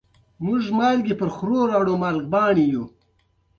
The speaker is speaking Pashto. ځيني مېلې د زراعت یا حاصل د راټولولو سره تړاو لري.